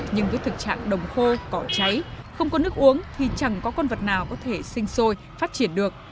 nhưng với thực trạng đồng khô cỏ cháy không có nước uống thì chẳng có con vật nào có thể sinh sôi phát triển được